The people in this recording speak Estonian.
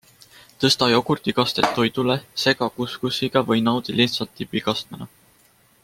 Tõsta jogurtikastet toidule, sega kuskussiga või naudi lihtsalt dipikastmena.